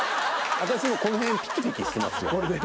私もこの辺ピキピキしてますよ。